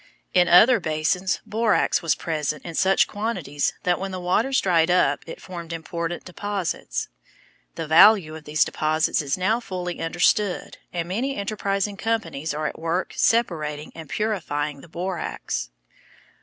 In other basins borax was present in such quantities that when the waters dried up it formed important deposits. The value of these deposits is now fully understood, and many enterprising companies are at work separating and purifying the borax.